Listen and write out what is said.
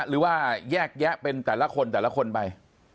หรือว่าแยกแยะเป็นแต่ละคนแต่ละคนไป